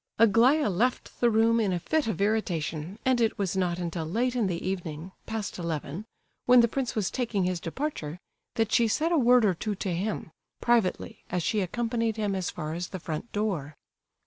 Aglaya left the room in a fit of irritation, and it was not until late in the evening, past eleven, when the prince was taking his departure, that she said a word or two to him, privately, as she accompanied him as far as the front door.